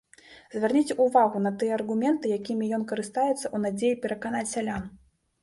Звярніце ўвагу на тыя аргументы, якімі ён карыстаецца ў надзеі пераканаць сялян.